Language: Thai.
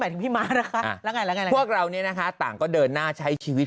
ถึงพี่ม้านะคะพวกเราเนี่ยนะคะต่างก็เดินหน้าใช้ชีวิต